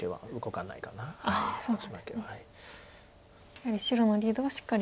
やはり白のリードはしっかり。